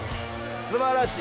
すばらしい！